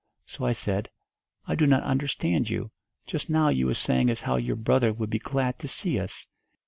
So I said, 'I do not understand you. Just now you was saying as how your brother would be glad to see us.